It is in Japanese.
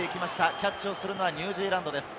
キャッチするのはニュージーランドです。